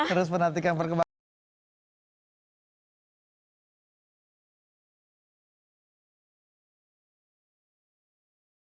terus menantikan perkembangannya